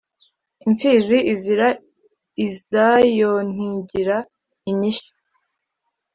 Impfizi izira izayontigira inyishyu.